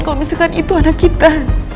kalau misalkan itu ada kita